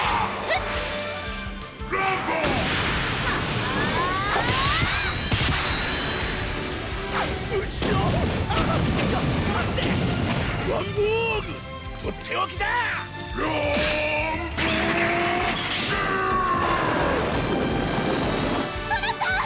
ソラちゃん！